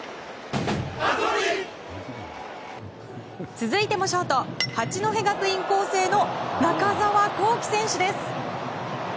続いても、ショート八戸学院光星の中澤恒貴選手です。